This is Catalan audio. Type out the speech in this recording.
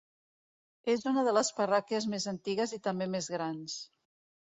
És una de les parròquies més antigues i també més grans.